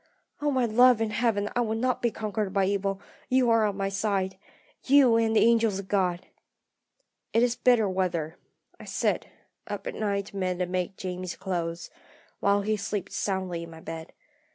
Oh, my love in heaven, I will not be conquered by evil; you are on my side you, and the angels of God! "It is bitter weather. I sit, up at night to mend and make Jamie's clothes, while he sleeps soundly in my bed.